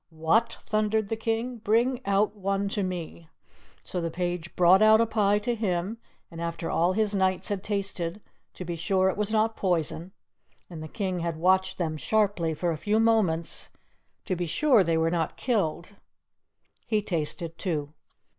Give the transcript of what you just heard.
"What?" thundered the King. "Bring out one to me!" So the page brought out a pie to him, and after all his knights had tasted to be sure it was not poison, and the King had watched them sharply for a few moments to be sure they were not killed, he tasted too.